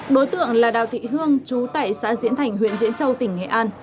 đối tượng là đào thị hương chú tại xã diễn thành huyện diễn châu tỉnh nghệ an